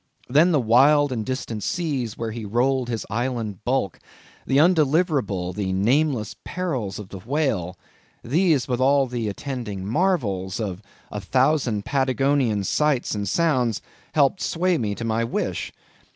Then the wild and distant seas where he rolled his island bulk; the undeliverable, nameless perils of the whale; these, with all the attending marvels of a thousand Patagonian sights and sounds, helped to sway me to my wish.